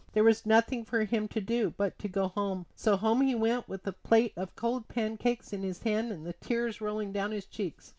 There was nothing for him to do but to go home, so home he went with the plate of cold pancakes in his hand and the tears rolling down his cheeks.